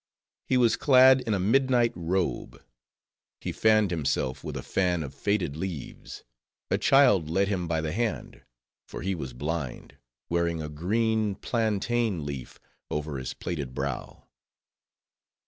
He was clad in a midnight robe. He fanned himself with a fan of faded leaves. A child led him by the hand, for he was blind, wearing a green plantain leaf over his plaited brow.